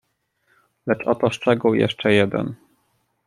"Lecz oto szczegół jeszcze jeden."